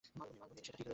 সেটা ঠিক হয়েছে?